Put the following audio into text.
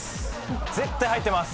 絶対入ってます。